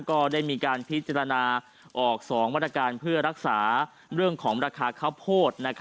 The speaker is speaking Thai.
ก็ได้มีการพิจารณาออก๒มาตรการเพื่อรักษาเรื่องของราคาข้าวโพด